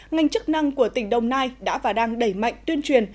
ngành chức năng của tỉnh đồng nai đã và đang đẩy mạnh tuyên truyền